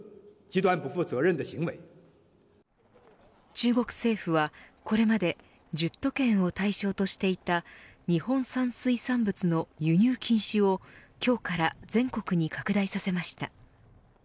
中国政府はこれまで１０都県を対象としていた日本産水産物の輸入禁止を今日から全国に拡大させました。